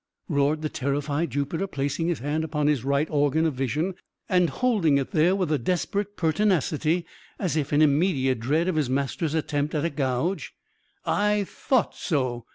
roared the terrified Jupiter, placing his hand upon his right organ of vision, and holding it there with a desperate pertinacity, as if in immediate dread of his master's attempt at a gouge. "I thought so!